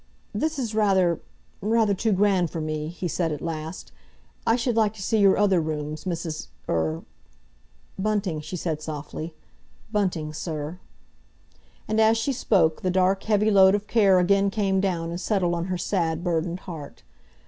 "This is rather—rather too grand for me," he said at last "I should like to see your other rooms, Mrs. er—" "—Bunting," she said softly. "Bunting, sir." And as she spoke the dark, heavy load of care again came down and settled on her sad, burdened heart.